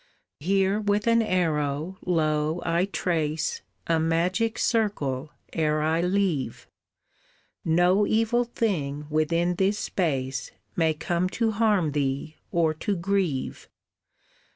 "Here with an arrow, lo, I trace A magic circle ere I leave, No evil thing within this space May come to harm thee or to grieve.